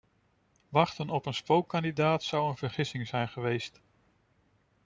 Wachten op een spookkandidaat zou een vergissing zijn geweest.